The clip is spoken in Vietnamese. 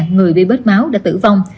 người bị bết máu đã tử vong